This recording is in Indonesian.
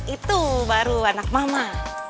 itu baru anak mama